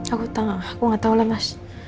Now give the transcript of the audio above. aku tau gak aku gak tau lah mas